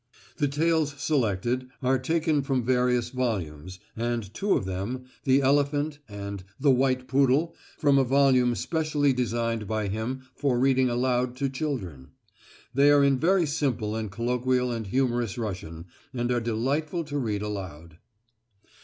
The tales selected are taken from various volumes, and two of them, "The Elephant" and "The White Poodle," from a volume specially designed by him for reading aloud to children. They are in very simple and colloquial and humorous Russian, and are delightful to read aloud.